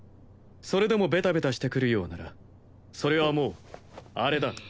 それでもベタベタしてくるようならそれはもうあれだ。